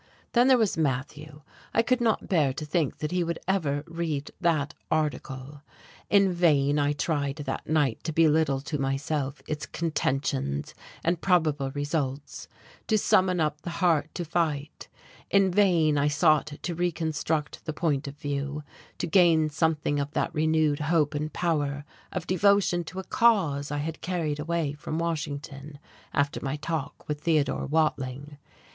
Then there was Matthew I could not bear to think that he would ever read that article. In vain I tried that night to belittle to myself its contentions and probable results, to summon up the heart to fight; in vain I sought to reconstruct the point of view, to gain something of that renewed hope and power, of devotion to a cause I had carried away from Washington after my talk with Theodore Watling.